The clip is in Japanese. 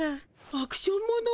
アクションもの？